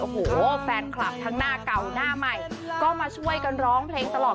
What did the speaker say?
โอ้โหแฟนคลับทั้งหน้าเก่าหน้าใหม่ก็มาช่วยกันร้องเพลงตลอด